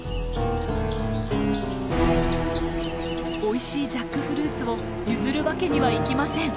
おいしいジャックフルーツを譲るわけにはいきません。